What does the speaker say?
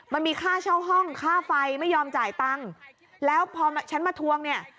มันมีค่าเช่าห้องค่าไฟไม่ยอมจ่ายตังค์แล้วพอฉันมาทวงเนี่ย